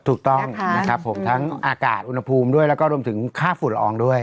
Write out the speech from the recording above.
ถูกต้องนะครับผมทั้งอากาศอุณหภูมิด้วยแล้วก็รวมถึงค่าฝุ่นละอองด้วย